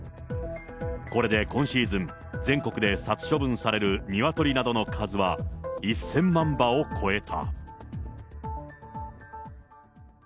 これで今シーズン、全国で殺処分されるニワトリなどの数は、１０００万羽を超えた。